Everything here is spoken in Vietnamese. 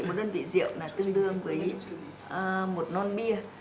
một đơn vị rượu là tương đương với một non bia